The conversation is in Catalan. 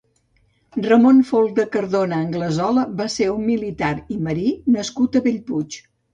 Ramon Folc de Cardona-Anglesola va ser un militar i marí nascut a Bellpuig.